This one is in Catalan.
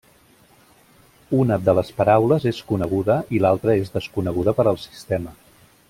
Una de les paraules és coneguda i l'altra és desconeguda per al sistema.